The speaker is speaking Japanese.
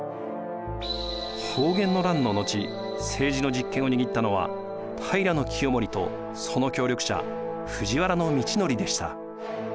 保元の乱の後政治の実権を握ったのは平清盛とその協力者藤原通憲でした。